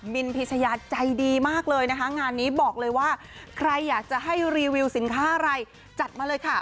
นพิชยาใจดีมากเลยนะคะงานนี้บอกเลยว่าใครอยากจะให้รีวิวสินค้าอะไรจัดมาเลยค่ะ